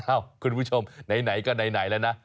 คุณผู้ชมไหนก็ไหนแล้วนะ